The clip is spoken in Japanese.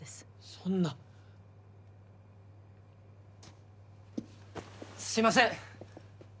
そんなすいません